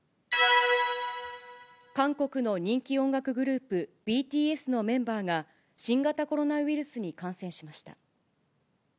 韓国の人気音楽グループ、ＢＴＳのメンバーが、新型コロナウイルスに感染しました。